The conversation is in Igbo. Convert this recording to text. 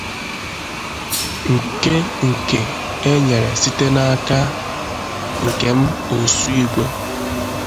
nke nke e nyere site n'aka Nkem Osuigwe